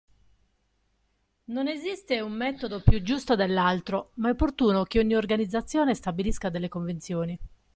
Non esiste un metodo più giusto dell'altro, ma è opportuno che ogni organizzazione stabilisca delle convenzioni.